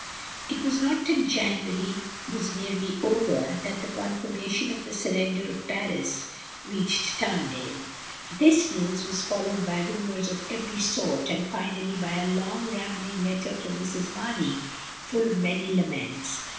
It was not till January was nearly over that the confirmation of the surrender of Paris reached Tarn 158 MRS. DYMOND. dale. This news was followed by rumours of every sort, and finally by a long rambling letter from Mrs. Mamey, full of many laments.